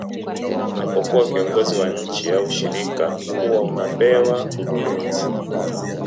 unapokuwa kiongozi wa nchi au shirika huwa unapewa ulinzi